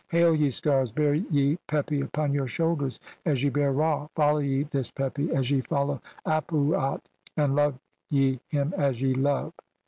Hail, ye stars, bear ye Pepi upon your shoul "ders as ye bear Ra, follow ye this Pepi as ye fol "low Ap uat, and love ye him as ye love